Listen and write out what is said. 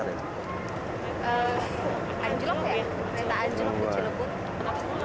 anjlok ya kereta anjlok di cilebut